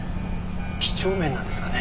几帳面なんですかね。